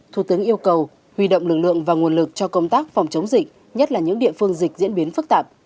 thủ tướng yêu cầu huy động lực lượng và nguồn lực cho công tác phòng chống dịch nhất là những địa phương dịch diễn biến phức tạp